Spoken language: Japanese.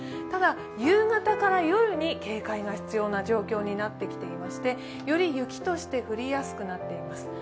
ただ、夕方から夜に警戒が必要な状況になってきていましてより雪として降りやすくなっています。